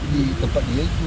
di tempat dia itu